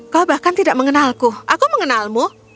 kau bahkan tidak mengenalku aku mengenalmu